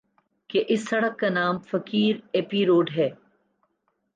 کہ اِس سڑک کا نام فقیر ایپی روڈ ہے